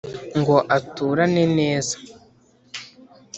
Ngo aturane neza